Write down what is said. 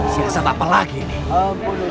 si kesat apa lagi ini